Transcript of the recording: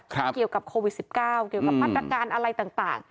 ครับเกี่ยวกับโควิดสิบเก้าเกี่ยวกับมาตรการอะไรต่างต่าง